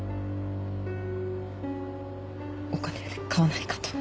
「お金で買わないか」と。